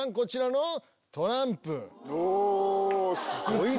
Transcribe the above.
すごいな。